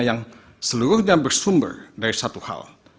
yang seluruhnya bersumber dari satu hal